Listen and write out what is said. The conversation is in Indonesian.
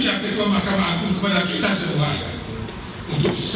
dijakitkan mahkamah agung kepada kita semuanya